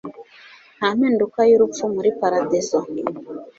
nta mpinduka y'urupfu muri paradizo